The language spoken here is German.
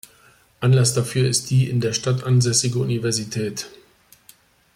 Anlass dafür ist die in der Stadt ansässige Universität.